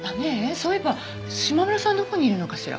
そういえば島村さんどこにいるのかしら？